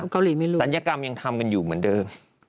เกาหลีไม่รู้ศัลยกรรมยังทำกันอยู่เหมือนเดิม